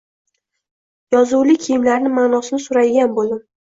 Yozuvli kiyimlarni maʼnosini soʻraydigan boʻldim.